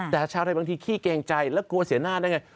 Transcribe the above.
แต่ชาวไทยบางทีขี้เกรงใจแล้วกลัวเสียหน้าได้ไง